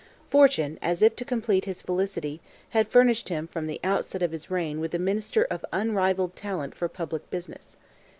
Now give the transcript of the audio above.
Fortune, as if to complete his felicity, had furnished him from the outset of his reign with a minister of unrivalled talent for public business.